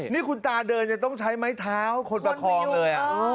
นี่คุณตาเดินยังต้องใช้ไม้เท้าคนประคองเลย